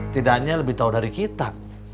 tidaknya lebih tahu dari kita